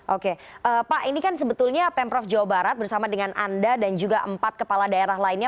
oke pak ini kan sebetulnya pemprov jawa barat bersama dengan anda dan juga empat kepala daerah lainnya